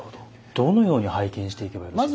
どのように拝見していけばよろしいですか。